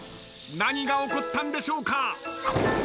何が起こったんでしょうか？